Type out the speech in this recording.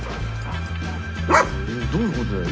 どういうことだよ！？